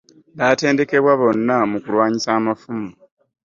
Batendekebwa bonna mu kulwanyisa amafumu.